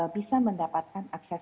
bisa mendapatkan akses